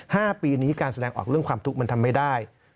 ห้าปีนี้การแสดงออกเรื่องความทุกข์มันทำไม่ได้